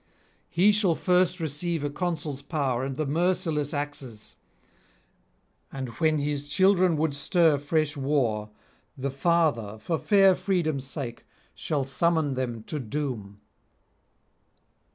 He shall first receive a consul's power and the merciless axes, and when his children would stir fresh war, the father, for fair freedom's sake, shall summon them to doom.